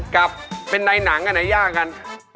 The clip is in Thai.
กับเป็นในหนังอันไหนยากกัน